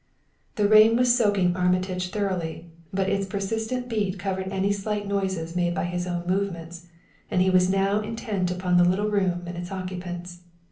The rain was soaking Armitage thoroughly, but its persistent beat covered any slight noises made by his own movements, and he was now intent upon the little room and its occupants.